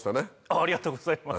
ありがとうございます。